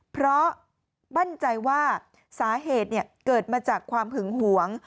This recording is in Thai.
เพราะมั่นใจว่าสาเหตุเกิดมาจากความหึงหวง